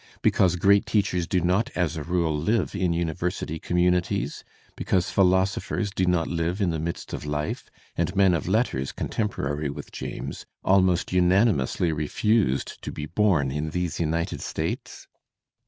— because great teachers do not as a rule live in university communi ties, because philosophers do not live in the midst of life, and men of letters contemporary with James almost unani mously refused to be bom in these United States?